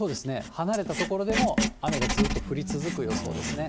離れた所でも、雨がずっと降り続く予想ですね。